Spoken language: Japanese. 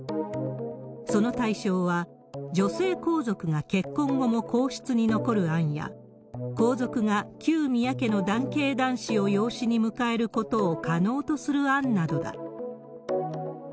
その対象は、女性皇族が結婚後も皇室に残る案や、皇族が旧宮家の男系男子を養子に迎えることを可能とする案などだ。